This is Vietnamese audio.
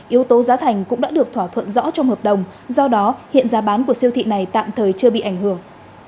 yếu tố giá thành cũng đã được thỏa thuận rõ trong hợp đồng do đó hiện giá bán của siêu thị này tạm thời chưa bị ảnh hưởng